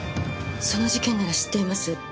その事件なら知っています。